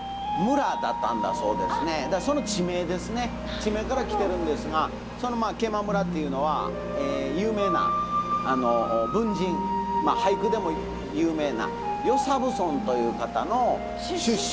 地名から来てるんですがその毛馬村というのは有名な文人まあ俳句でも有名な与謝蕪村という方の出身なんですね。